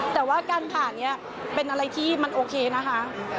แต่ว่าการผ่านนี้เป็นอะไรที่มันโอเคนะคะ